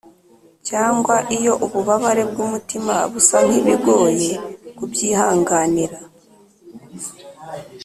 cyangwa iyo ububabare bwumutima busa nkibigoye kubyihanganira,